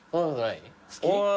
好き？